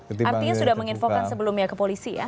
artinya sudah menginfokan sebelumnya ke polisi ya